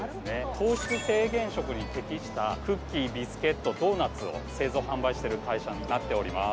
糖質制限食に適したクッキービスケットドーナツを製造販売している会社になっております